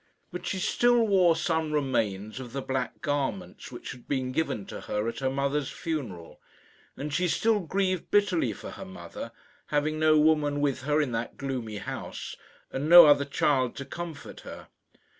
But she still wore some remains of the black garments which had been given to her at her mother's funeral; and she still grieved bitterly for her mother, having no woman with her in that gloomy house, and no other child to comfort her.